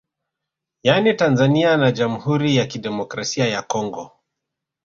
Yani Tanzania na Jamhuri ya Kidemokrasia ya Congo